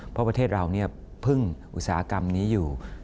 เพราะประเทศเราพึ่งอุตสาหกรรมนี้อยู่